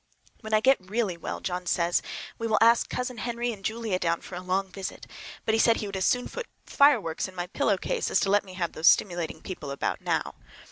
When I get really well John says we will ask Cousin Henry and Julia down for a long visit; but he says he would as soon put fire works in my pillow case as to let me have those stimulating people about now.